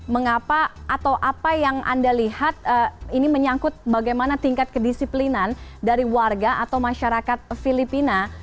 mengapa atau apa yang anda lihat ini menyangkut bagaimana tingkat kedisiplinan dari warga atau masyarakat filipina